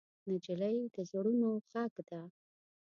نجلۍ د زړونو غږ ده.